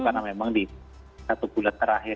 karena memang di satu bulan terakhir